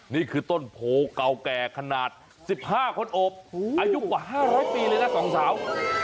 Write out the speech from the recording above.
นี่คือต้นโพเก่าแก่ขนาด๑๕คนอบอายุกว่า๕๐๐ปีเลยนะสองสาว